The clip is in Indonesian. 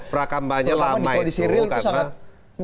terutama di kondisi real itu sangat